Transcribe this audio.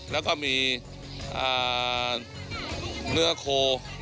แล้วก็มีเนื้อโค